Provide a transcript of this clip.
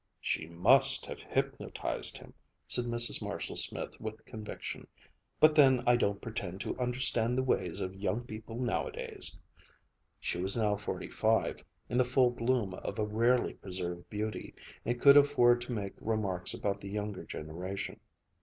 "She must have hypnotized him," said Mrs. Marshall Smith with conviction, "but then I don't pretend to understand the ways of young people nowadays." She was now forty five, in the full bloom of a rarely preserved beauty, and could afford to make remarks about the younger generation.